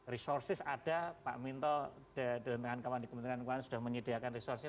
resources ada pak minto di kementerian kepala sudah menyediakan resourcesnya